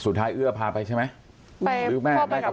สุดท้ายเอื้อพาไปใช่ไหม